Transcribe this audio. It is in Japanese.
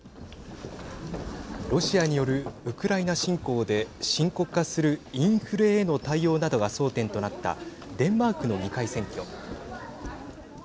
ロシアによるウクライナ侵攻で深刻化するインフレへの対応などが争点となったデンマークの議会選挙。